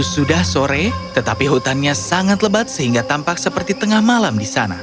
sudah sore tetapi hutannya sangat lebat sehingga tampak seperti tengah malam di sana